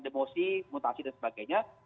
demosi mutasi dan sebagainya